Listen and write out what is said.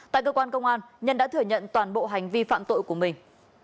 tại cơ quan công an nhân đã thừa nhận toàn bộ hành vi phạm tội của mình